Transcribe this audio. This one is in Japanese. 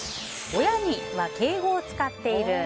親には敬語を使っている？